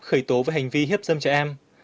khởi tố với hành vi hiếp dâm trẻ em